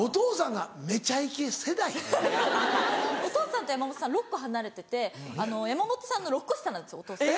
お父さんと山本さん６コ離れてて山本さんの６コ下なんですお父さん。